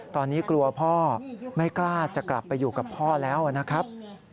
ตอนนี้กลัวพ่อไม่กล้าจะกลับไปอยู่กับพ่อแล้วนะครับ